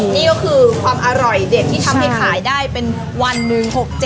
นี่ก็คือความอร่อยเด็ดที่ทำให้ขายได้เป็นวันหนึ่ง๖๗